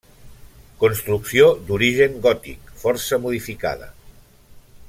Construcció d'origen gòtic força modificada.